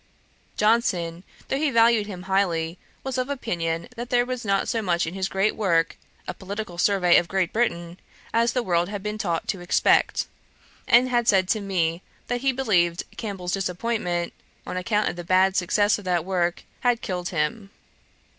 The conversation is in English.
Johnson, though he valued him highly, was of opinion that there was not so much in his great work, A Political Survey of Great Britain, as the world had been taught to expect; and had said to me, that he believed Campbell's disappointment, on account of the bad success of that work, had killed him.